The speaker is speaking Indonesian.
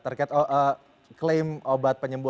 terkait klaim obat penyembuh